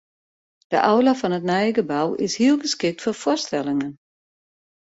De aula fan it nije gebou is hiel geskikt foar foarstellingen.